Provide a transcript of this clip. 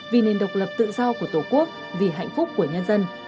vì nền độc lập tự do của tổ quốc vì hạnh phúc của nhân dân